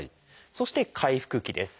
そして「回復期」です。